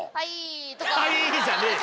「はい」じゃねえよ。